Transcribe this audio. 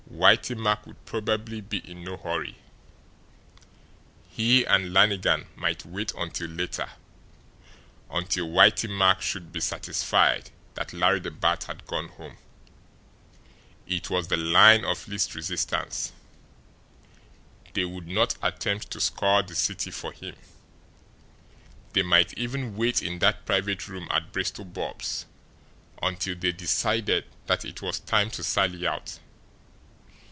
Whitey Mack would probably be in no hurry he and Lannigan might wait until later, until Whitey Mack should be satisfied that Larry the Bat had gone home. It was the line of least resistance; they would not attempt to scour the city for him. They might even wait in that private room at Bristol Bob's until they decided that it was time to sally out.